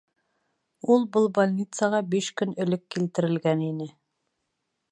Ул был больницаға биш көн элек килтерелгән ине.